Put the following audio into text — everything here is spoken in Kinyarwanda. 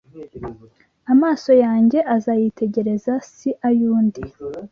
Amaso yanjye azayitegereza, si ay’undi